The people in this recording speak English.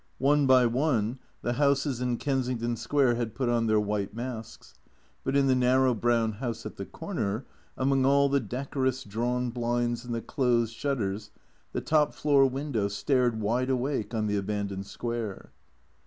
One by one the houses in Kensington Square had put on their white masks; but in the narrow brown house at the corner, among all the decorous drawn blinds and the closed shutters, the top floor window stared wide awake on the abandoned Square.